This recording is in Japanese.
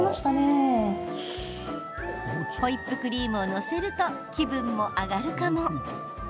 ホイップクリームを載せると気分も上がるかも。